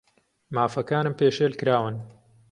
مافەکانم پێشێل کراون.